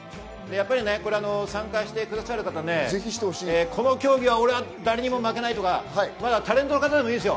参加してくださる方、この競技は誰にも負けないとか、タレントでもいいです。